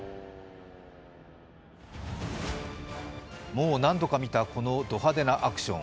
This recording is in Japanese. もう何度か見た、このド派手なアクション。